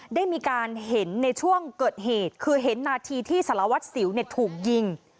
ได้มีการเห็นในช่วงเกิดเหตุคือเห็นนาทีที่สารวัตรสิวถูกยิง